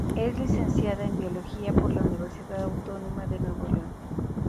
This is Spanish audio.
Es Licenciada en Biología por la Universidad Autónoma de Nuevo León.